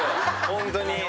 ホントに。